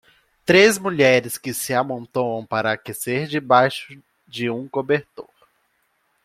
Três mulheres que se amontoam para aquecer debaixo de um cobertor.